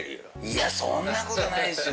いやそんなことないっすよ。